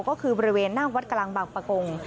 ก็คือบริเวณหน้าวัดกลางบางประกง